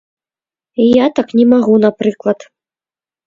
Я так не магу, напрыклад.